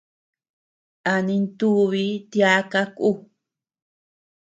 A nintubii tiaka kú.